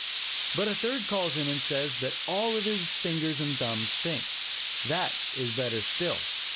But a third calls in and says that "all his fingers and thumbs think." That is better still.